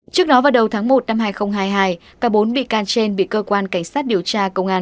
trước đó vào đầu tháng một năm hai nghìn hai mươi hai cả bốn bị can trên bị cơ quan cảnh sát điều tra công an